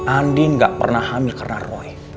andi gak pernah hamil karena roy